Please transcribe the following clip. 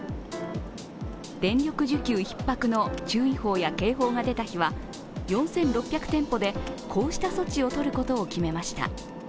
電力需給ひっ迫の注意報や警報が出た日は４６００店舗で、こうした措置を取ることを決めました。